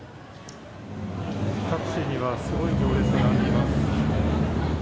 タクシーにはすごい行列が出来ています。